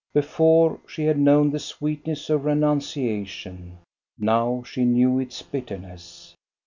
Before, she had known the sweetness of renuncia tion, now she knew its bitterness.